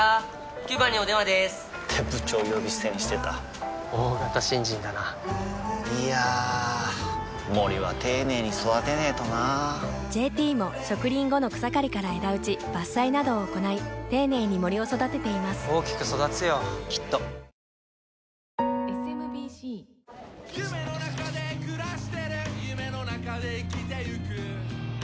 ９番にお電話でーす！って部長呼び捨てにしてた大型新人だないやー森は丁寧に育てないとな「ＪＴ」も植林後の草刈りから枝打ち伐採などを行い丁寧に森を育てています大きく育つよきっとトヨタイムズの富川悠太です